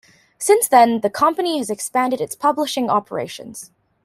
Since then, the company has expanded its publishing operation.